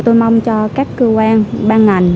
tôi mong cho các cơ quan ban ngành